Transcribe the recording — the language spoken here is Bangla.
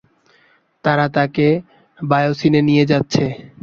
তারা তাকে বায়োসিনে নিয়ে যাচ্ছে।